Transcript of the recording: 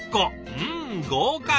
うん豪快。